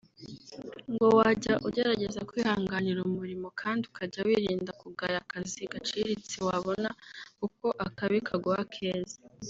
ngo wajya ugerageza kwihangira umurimo kandi ukajya wirinda kugaya akazi gaciriritse wabona kuko akabi kaguha akeza